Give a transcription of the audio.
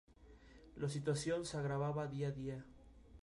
La situación se agravaba día a día.